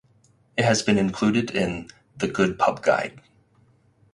It has been included in "The Good Pub Guide".